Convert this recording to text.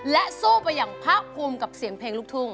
และสู้ไปอย่างภาคภูมิกับเสียงเพลงลูกทุ่ง